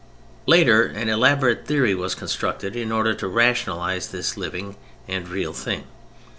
Later an elaborate theory was constructed in order to rationalize this living and real thing.